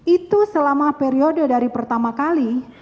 itu selama periode dari pertama kali